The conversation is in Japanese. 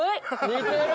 似てる！